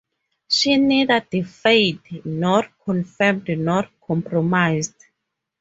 She neither defied nor conformed nor compromised.